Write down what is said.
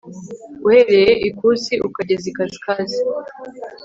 uhereye ikusi ukageza ikasikazi